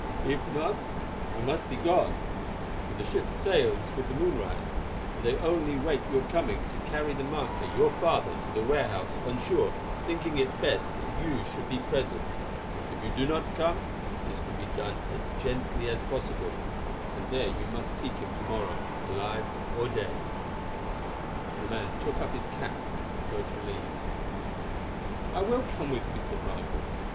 If not, I must be gone, for the ship sails with the moonrise, and they only wait your coming to carry the master, your father, to the warehouse on shore thinking it best that you should be present. If you do not come, this will be done as gently as possible, and there you must seek him to morrow, alive or dead." And the man took up his cap as though to leave. "I will come with you," said Margaret.